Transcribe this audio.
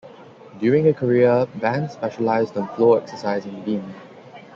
During her career, Ban specialized on floor exercise and beam.